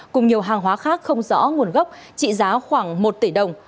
cùng nhiều hàng hóa khác không rõ nguồn gốc trị giá khoảng một tỷ đồng